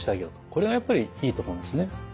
これがやっぱりいいと思うんですね。